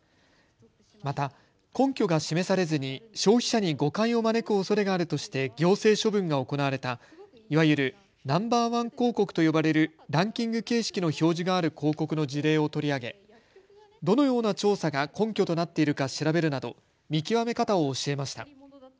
また、根拠が示されずに消費者に誤解を招くおそれがあるとして行政処分が行われたいわゆるＮｏ．１広告と呼ばれるランキング形式の表示がある広告の事例を取り上げどのような調査が根拠となっているか調べるなど見極め方を教えました。